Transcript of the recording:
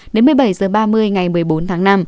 đến một mươi bảy h ba mươi ngày một mươi bốn tháng năm